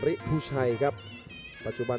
มีความรู้สึกว่า